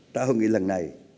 tại hội nghị lần này